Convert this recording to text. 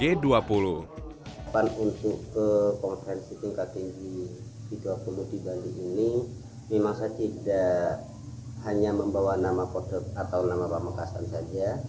untuk pengganti tingkat tinggi g dua puluh di bali ini memang saya tidak hanya membawa nama podek atau nama pamakasan saja